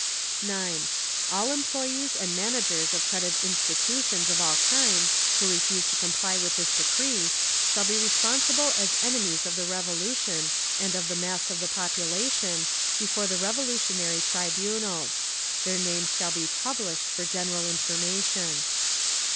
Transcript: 9. All employees and managers of credit institutions of all kinds who refuse to comply with this decree shall be responsible as enemies of the Revolution and of the mass of the population, before the Revolutionary Tribunals. Their names shall be published for general information.